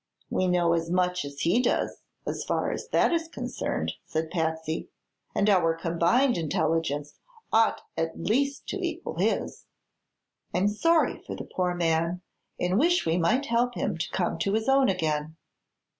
"We know as much as he does, as far as that is concerned," said Patsy, "and our combined intelligence ought at least to equal his. I'm sorry for the poor man, and wish we might help him to come to his own again."